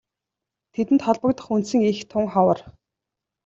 Тэдэнд холбогдох үндсэн эх тун ховор.